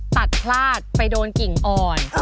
ตัดพลาดไปโดนกิ่งอ่อน